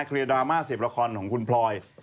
เคลียร์ดราม่าเสพละครของคุณพลอย